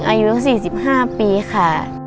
อายุ๔๕ปีค่ะ